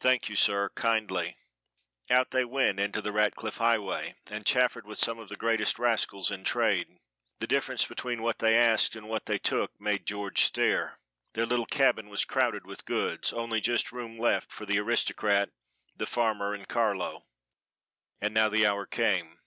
"Thank you, sir, kindly." Out they went into the Ratcliffe Highway, and chaffered with some of the greatest rascals in trade. The difference between what they asked and what they took made George stare. Their little cabin was crowded with goods, only just room left for the aristocrat, the farmer and Carlo. And now the hour came.